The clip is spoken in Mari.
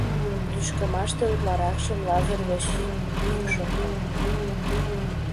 Лӱшкымаште утларакшым Лазыр верч йӱк шокта.